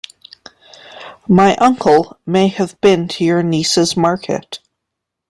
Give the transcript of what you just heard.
My uncle may have been to your niece's market.